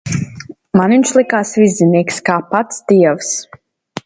Man viņš likās viszinīgs kā pats Dievs.